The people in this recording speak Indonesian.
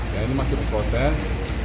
dan ini masih berproses